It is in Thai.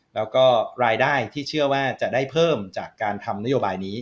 แล้วก็รายได้ที่เชื่อว่าจะได้เพิ่มจากการทำนโยบายนี้